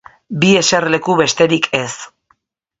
Bi eserleku besterik ez.